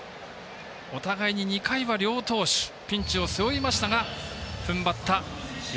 お互いに２回は両投手ピンチを背負いましたがふんばった柳。